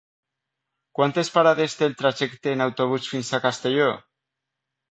Quantes parades té el trajecte en autobús fins a Castelló?